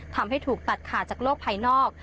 ทำให้ถูกตัดขาดจากโลกภายนอก